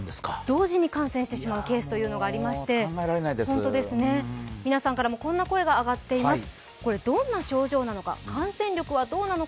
同時に感染してしまうケースがありまして、皆さんからもこんな声が上がっています。